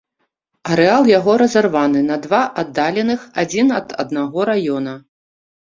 Арэал яго разарваны на два аддаленых адзін ад аднаго раёна.